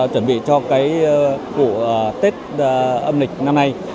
chuẩn bị cho cuộc tết âm lịch năm nay